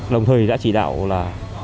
đồng thời đã trì đạo là